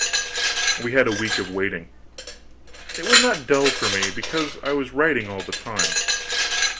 We had a week of waiting. It was not dull for me, because I was writing all the time.